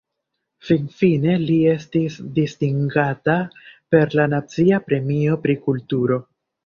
Finfine li estis distingata per la nacia premio pri kulturo.